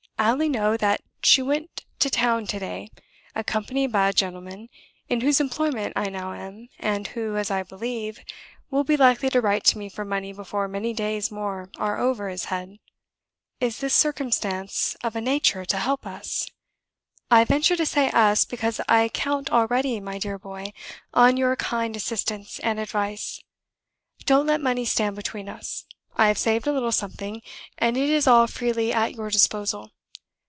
I only know that she went to town to day, accompanied by a gentleman, in whose employment I now am, and who (as I believe) will be likely to write to me for money before many days more are over his head. "Is this circumstance of a nature to help us? I venture to say 'us,' because I count already, my dear boy, on your kind assistance and advice. Don't let money stand between us; I have saved a little something, and it is all freely at your disposal.